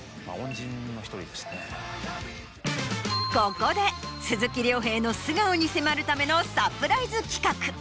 ここで鈴木亮平の素顔に迫るためのサプライズ企画。